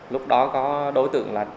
lúc đó có đối tượng là